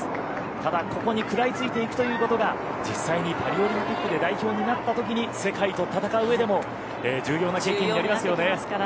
ただ、ここに食らいついていくということが実際にパリオリンピックで代表になったときに世界と戦ううえでも重要ですよね。